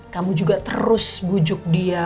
kamu juga terus bujuk dia